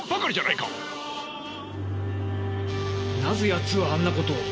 なぜやつはあんなことを？